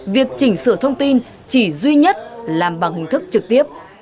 việc chỉnh sửa thông tin chỉ duy nhất làm bằng hình thức trực tiếp